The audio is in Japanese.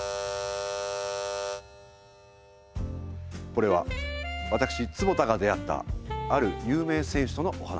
これは私坪田が出会ったある有名選手とのお話。